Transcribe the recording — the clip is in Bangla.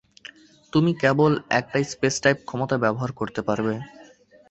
তুমি কেবল একটাই স্পেস-টাইপ ক্ষমতা ব্যবহার করতে পারবে।